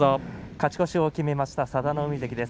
勝ち越しを決めました佐田の海関です。